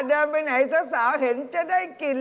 เดินไปไหนสาวเห็นจะได้กิน